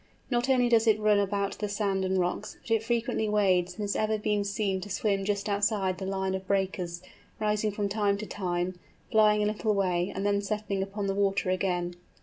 Not only does it run about the sand and rocks, but it frequently wades, and has even been seen to swim just outside the line of breakers, rising from time to time, flying a little way and then settling upon the water again.